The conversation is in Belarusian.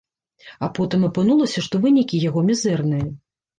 А потым апынулася, што вынікі яго мізэрныя.